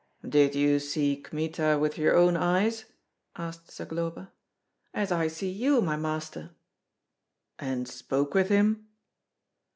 "Did you see Kmita with your own eyes?" asked Zagloba. "As I see you, my master!" "And spoke with him?"